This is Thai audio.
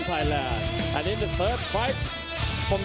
สวัสดีทุกคน